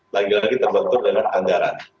lagi lagi terbentuk dengan anggaran